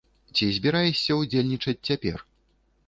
Ці збіраешся ўдзельнічаць цяпер?